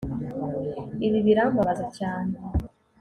Ibi birambabaza cyane